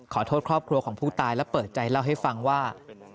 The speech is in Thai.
ขอโทษครอบครัวของผู้ตายและเปิดใจเล่าให้ฟังว่า